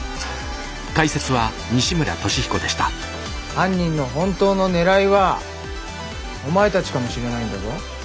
犯人の本当の狙いはお前たちかもしれないんだぞ？